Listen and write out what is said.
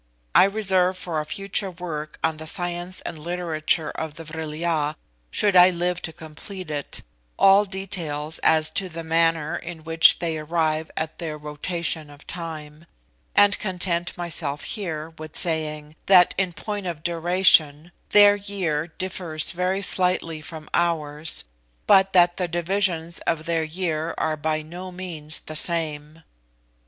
I reserve for a future work on the science and literature of the Vril ya, should I live to complete it, all details as to the manner in which they arrive at their rotation of time; and content myself here with saying, that in point of duration, their year differs very slightly from ours, but that the divisions of their year are by no means the same.